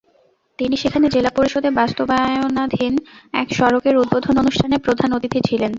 তিনি সেখানে জেলা পরিষদে বাস্তবায়নাধীন এক সড়কের উদ্বোধন অনুষ্ঠানে প্রধান অতিথি ছিলেন।